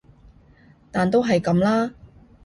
但都係噉啦